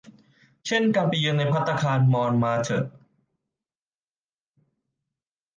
เช่น การไปเยือนภัตตาคารในมอนมาร์เทอะ